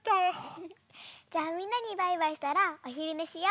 じゃあみんなにバイバイしたらおひるねしよ。